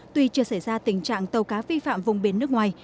tuy chưa xảy ra tình trạng tàu cá vi phạm vùng biển nước ngoài